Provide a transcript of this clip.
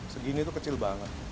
segini itu kecil banget